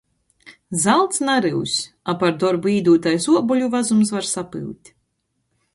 Zalts naryus, a par dorbu īdūtais uobeļu vazums var sapyut.